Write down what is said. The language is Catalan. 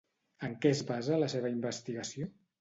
En què es basa la seva investigació?